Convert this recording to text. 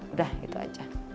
udah gitu aja